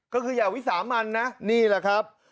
ก็คืออย่าวิสามันนะนี่แหละครับ